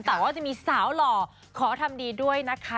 แต่ว่าจะมีสาวหล่อขอทำดีด้วยนะคะ